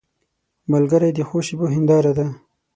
ملګری د ښو شېبو هنداره ده